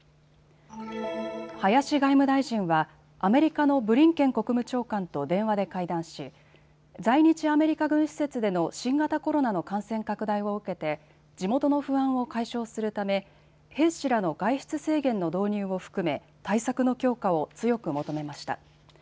林外務大臣はアメリカのブリンケン国務長官と電話で会談し在日アメリカ軍施設での新型コロナの感染拡大を受けて地元の不安を解消するため兵士らの外出制限の導入を含め対策の強化を強く求めました。